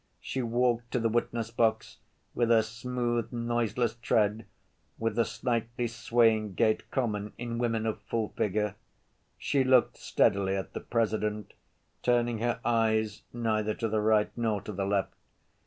She walked to the witness‐box with her smooth, noiseless tread, with the slightly swaying gait common in women of full figure. She looked steadily at the President, turning her eyes neither to the right nor to the left.